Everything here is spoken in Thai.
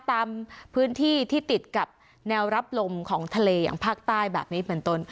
ตามพื้นที่ที่ติดกับแนวรับลมของทะเลอย่างภาคใต้แบบนี้เป็นต้น